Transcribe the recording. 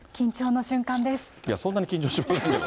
そんなに緊張しませんけど。